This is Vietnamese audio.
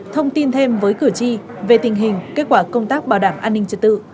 thông tin thêm với cử tri về tình hình kết quả công tác bảo đảm an ninh trật tự